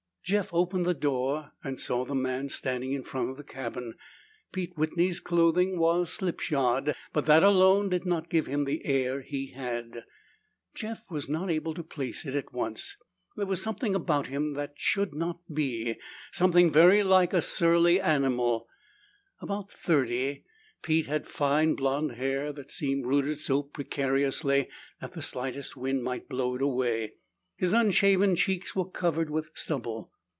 Jeff opened the door and saw the man standing in front of the cabin. Pete Whitney's clothing was slipshod, but that alone did not give him the air he had. Jeff was not able to place it at once. There was something about him that should not be, something very like a surly animal. About thirty, Pete had fine blond hair that seemed rooted so precariously that the slightest wind might blow it away. His unshaven cheeks were covered with stubble.